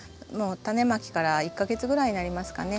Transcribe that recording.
タネまきから１か月ぐらいになりますかね。